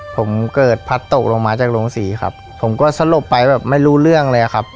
ผมเกิดพัดตกลงมาจากโรงศรีครับผมก็สลบไปแบบไม่รู้เรื่องเลยครับ